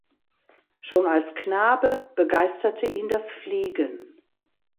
Schon als Knabe begeisterte ihn das Fliegen.